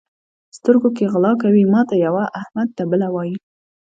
سترګو کې غلا کوي؛ ماته یوه، احمد ته بله وایي.